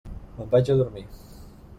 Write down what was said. Me'n vaig a dormir.